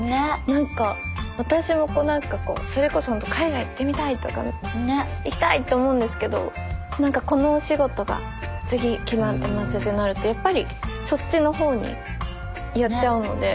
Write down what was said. なんか私もそれこそ海外行ってみたい！とか行きたい！と思うんですけどこのお仕事が次決まってますってなるとやっぱりそっちのほうに寄っちゃうので。